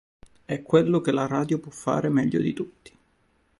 È quello che la radio può fare meglio di tutti.